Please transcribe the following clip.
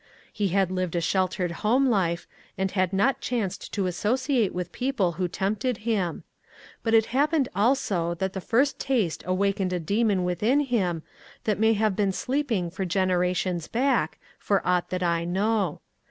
He had lived a shel tered home life, and had not chanced to associate with people who tempted him. But it happened also that the first taste awakened a demon within him that may have been sleeping for generations back, for aught that I know.